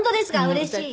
うれしい。